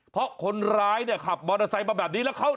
เพราะคนร้ายเนี่ยขับมอเตอร์ไซค์มาแบบนี้แล้วเขา